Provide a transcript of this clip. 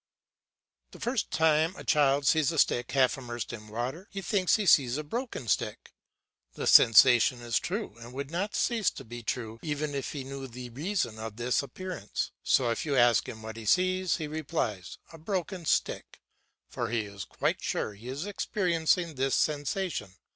The first time a child sees a stick half immersed in water he thinks he sees a broken stick; the sensation is true and would not cease to be true even if he knew the reason of this appearance. So if you ask him what he sees, he replies, "A broken stick," for he is quite sure he is experiencing this sensation.